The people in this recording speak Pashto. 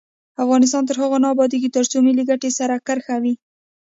افغانستان تر هغو نه ابادیږي، ترڅو ملي ګټې سر کرښه وي.